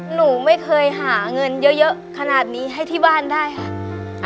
หนูไม่เคยหาเงินเยอะขนาดนี้ให้ที่บ้านได้ค่ะ